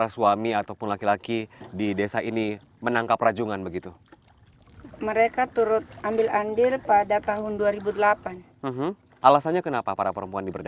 yang ada di desa pitu sungguh ini